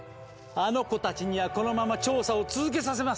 あの子たちにはこのまま調査を続けさせます！